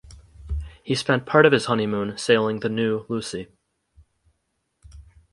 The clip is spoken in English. He spent part of his honeymoon sailing the new "Lucie".